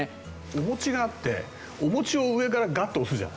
お餅があってお餅を上からガッと押すじゃん。